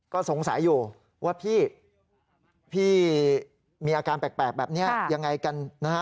ก็สงสัยอยู่ว่าพี่พี่มีอาการแปลกแบบนี้ยังไงกันนะฮะ